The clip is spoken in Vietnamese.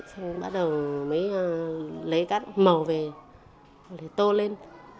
rồi bắt đầu lấy các màu về để tô lên